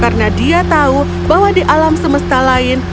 karena dia tahu bahwa di alam semesta lain